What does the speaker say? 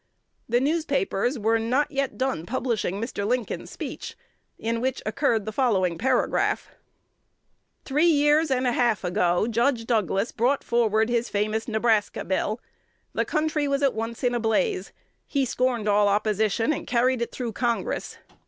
The newspapers were not yet done publishing Mr. Lincoln's speech, in which occurred the following paragraph: "Three years and a half ago Judge Douglas brought forward his famous Nebraska Bill. The country was at once in a blaze. He scorned all opposition, and carried it through Congress.